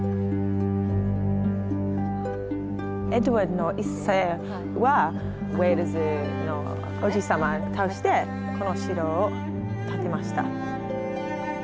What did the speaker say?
エドワードの１世はウェールズの王子様倒してこの城を建てました。